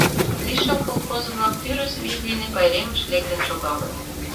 Лишыл колхоз-влак тӱрыс вий дене пайремыш лектын шогалыт.